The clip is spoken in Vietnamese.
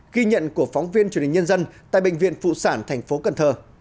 ghi nhận của phóng viên truyền hình nhân dân tại bệnh viện phụ sản tp cn